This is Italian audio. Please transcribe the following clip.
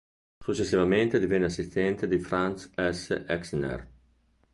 Successivamente divenne assistente di Franz S. Exner.